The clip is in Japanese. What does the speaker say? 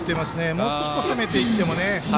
もう少し、攻めていっても。